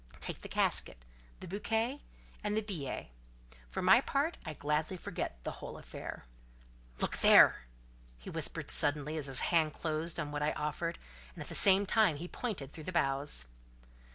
Take the casket, the bouquet, and the billet; for my part, I gladly forget the whole affair." "Look there!" he whispered suddenly, as his hand closed on what I offered, and at the same time he pointed through the boughs.